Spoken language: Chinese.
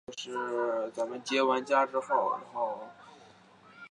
宋高宗建炎二年林安宅中进士。